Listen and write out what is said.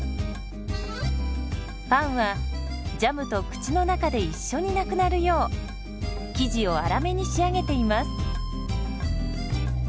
パンはジャムと口の中で一緒になくなるよう生地を粗めに仕上げています。